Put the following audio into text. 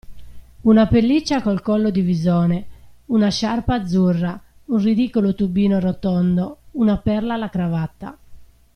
Una pelliccia col collo di visone, una sciarpa azzurra, un ridicolo tubino rotondo, una perla alla cravatta.